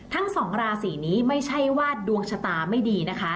ทั้งสองราศีนี้ไม่ใช่ว่าดวงชะตาไม่ดีนะคะ